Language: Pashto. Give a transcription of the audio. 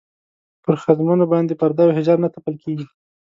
پر ښځمنو باندې پرده او حجاب نه تپل کېږي.